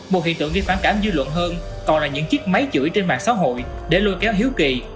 một hiện tượng gây phản cảm dư luận hơn còn là những chiếc máy chửi trên mạng xã hội để lôi kéo hiếu kỳ